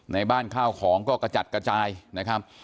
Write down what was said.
ในบ้านข้าวของก็กระจัดกระจายนะครับ